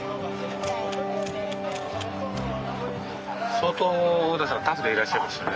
相当緒方さんタフでいらっしゃいますよね。